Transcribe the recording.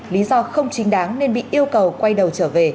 lý do không chính đáng nên bị yêu cầu quay đầu